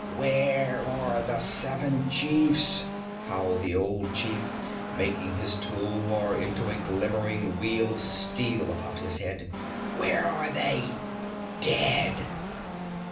'Where are the seven chiefs?' howled the old chief, making his tulwar into a glimmering wheel of steel about his head. 'Where are they? Dead!'